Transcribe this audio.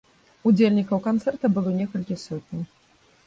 Удзельнікаў канцэрта было некалькі сотняў.